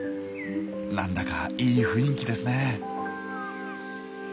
なんだかいい雰囲気ですねぇ。